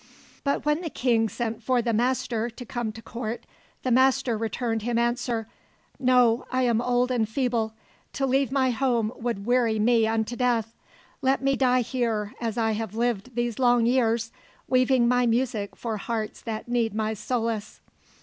But when the king sent for the Master to come to court the Master returned him answer: "No, I am old and feeble. To leave my home would weary me unto death. Let me die here as I have lived these long years, weaving my music for hearts that need my solace."